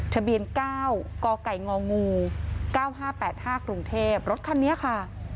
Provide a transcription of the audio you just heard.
ทะเบียน๙กง๙๕๘๕กรุงเทพรถคันนี้ค่ะ